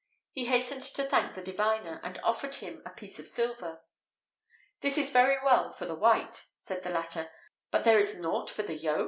He hastened to thank the diviner, and offered him a piece of silver. "This is very well for the white," said the latter, "but is there nought for the yolk?"